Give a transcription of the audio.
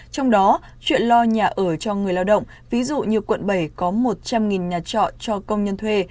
trong đó chuyện lo nhà ở cho người lao động ví dụ như quận bảy có một trăm linh nhà trọ cho công nhân thuê